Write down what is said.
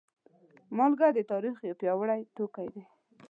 مالګه د تاریخ یو پیاوړی توکی دی.